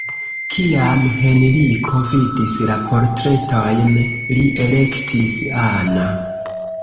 Kiam Henriko vidis la portretojn, li elektis Anna.